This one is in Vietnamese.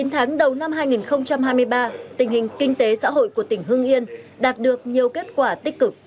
chín tháng đầu năm hai nghìn hai mươi ba tình hình kinh tế xã hội của tỉnh hưng yên đạt được nhiều kết quả tích cực